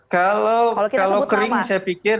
kalau kering saya pikir